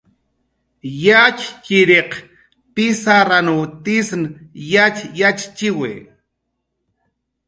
Yatxchiriq pizarranw tizn yatx yatxchiwi